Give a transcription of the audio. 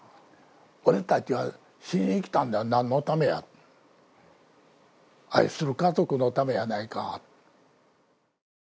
俺たちは死にに来た、何のためや、愛する家族のためやないか。